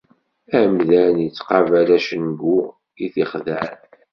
Amdan ittqabal acngu t-ixḍan.